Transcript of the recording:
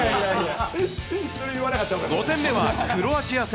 ５点目はクロアチア戦。